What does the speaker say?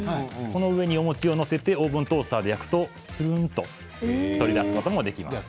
この上にお餅を載せてオーブントースターで焼くとつるんと取り出すこともできます。